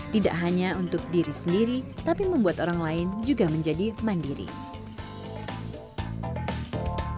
tidak hanya untuk diri sendiri tapi membuat orang lain juga menjadi mandiri